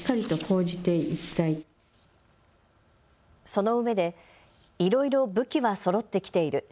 そのうえでいろいろ武器はそろってきている。